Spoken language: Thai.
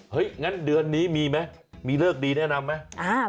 งั้นเดือนนี้มีไหมมีเลิกดีแนะนำไหม